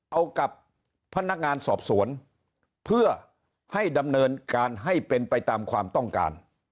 เอากับพนักงานสอบสวนเพื่อให้ดำเนินการให้เป็นไปตามความต้องการ